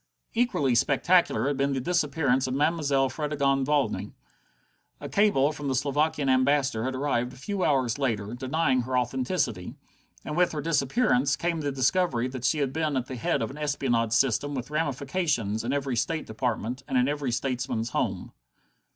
Equally spectacular had been the disappearance of Mademoiselle Fredegonde Valmy. A cable from the Slovakian Ambassador had arrived a few hours later, denying her authenticity. And with her disappearance came the discovery that she had been at the head of an espionage system with ramifications in every state department, and in every statesman's home.